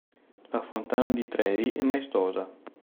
La fontana di Trevi è maestosa.